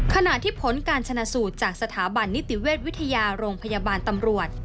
ขณะที่ผลการชนะสูตรจากสถาบันนิติเวชวิทยาโรงพยาบาลตำรวจ